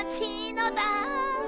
のだ！